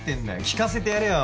聞かせてやれよ。